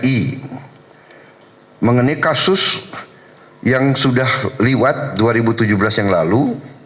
i mengenai kasus yang sudah liwat dua ribu tujuh belas yang lalu